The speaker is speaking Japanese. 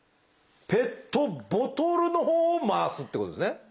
ペットボトルのほうを回すってことですね。